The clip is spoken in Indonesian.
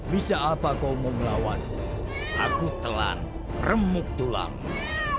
bisa apa kau mau melawan aku telan remuk tulangmu